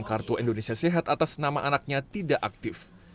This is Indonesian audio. kartu indonesia sehat atas nama anaknya tidak aktif